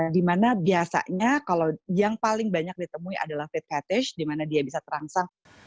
di mana biasanya yang paling banyak ditemui adalah fetish di mana dia bisa terangsang